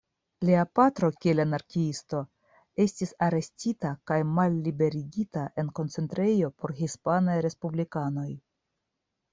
Lia patro, kiel anarkiisto, estis arestita kaj malliberigita en koncentrejo por hispanaj respublikanoj.